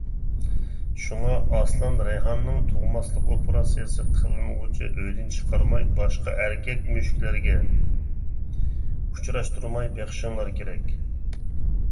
شۇڭا ئاسلان رەيھاننىڭ تۇغماسلىق ئوپېراتسىيەسى قىلىنغۇچە ئۆيدىن چىقارماي، باشقا ئەركەك مۈشۈكلەرگە ئۇچراشتۇرماي بېقىشىڭلار كېرەك.